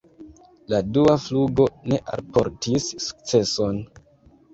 La dua flugo ne alportis sukceson.